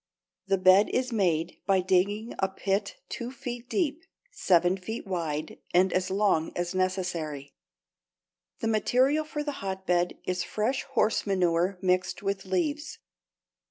The bed is made by digging a pit two feet deep, seven feet wide, and as long as necessary. The material for the hotbed is fresh horse manure mixed with leaves.